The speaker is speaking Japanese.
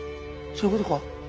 そういうことか？